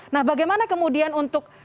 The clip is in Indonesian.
nah bagaimana kemudian untuk